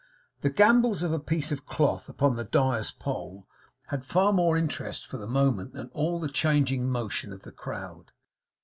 The gambols of a piece of cloth upon the dyer's pole had far more interest for the moment than all the changing motion of the crowd.